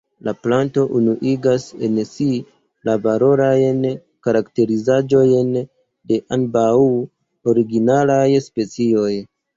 La planto unuigas en si la valorajn karakterizaĵojn de ambaŭ originalaj specioj.